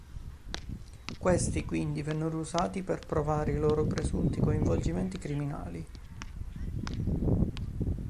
Questi, quindi, vennero usati per provare i loro presunti coinvolgimenti criminali.